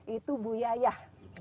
itu bu yayah